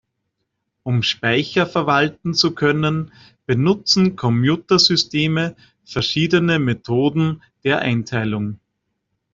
Um Speicher verwalten zu können, benutzen Computersysteme verschiedene Methoden der Einteilung.